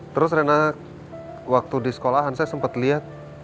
terus rena waktu di sekolahan saya sempat lihat